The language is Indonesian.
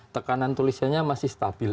tekanan tulisannya masih stabil